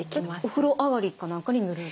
お風呂上がりか何かに塗る？